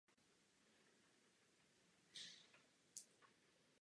I jediná nebezpečná hračka je příliš.